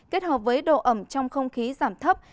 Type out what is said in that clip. kết hợp với độ ẩm trong không khí giảm thấp